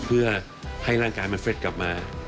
เพื่อให้ร่างกายมันเฟ็ดกลับมา